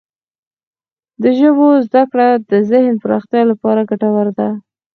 د ژبو زده کړه د ذهن پراختیا لپاره ګټوره ده.